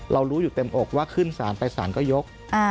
รู้อยู่เต็มอกว่าขึ้นสารไปสารก็ยก